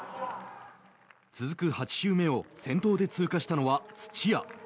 続く８周目を先頭で通過したのは土屋。